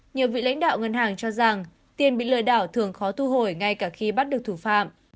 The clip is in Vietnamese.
nhiều vị lãnh đạo ngân hàng cho rằng tiền bị lừa đảo thường khó thu hồi ngay cả khi bắt được thủ phạm